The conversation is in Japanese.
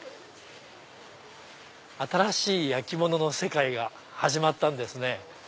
新しい焼き物の世界が始まったんですね。